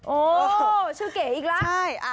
โอ้ชื่อเก๋อีกแล้ว